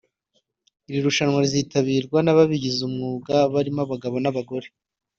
Iri rushwana rizitabirwa n’ababigize umwuga barimo abagabo n’abagore